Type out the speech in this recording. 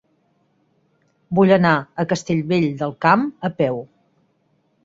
Vull anar a Castellvell del Camp a peu.